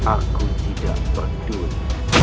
aku tidak berdua